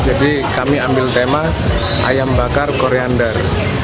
jadi kami ambil tema ayam bakar koriander